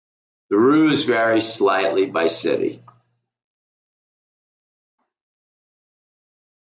The rules vary slightly by city.